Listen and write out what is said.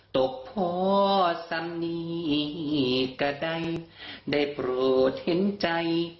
ตกพอสันนี้ก็ได้ได้โปรดเห็นใจ